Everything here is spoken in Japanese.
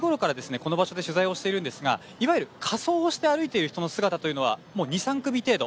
この場所で取材をしているんですがいわゆる仮装をして歩いている人の姿というのはもう、２３組程度。